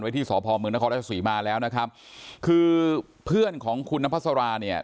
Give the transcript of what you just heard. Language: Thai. ไว้ที่สอพอมเมืองนครรัชสุริมาแล้วนะครับคือเพื่อนของคุณน้ำพัสราเนี่ย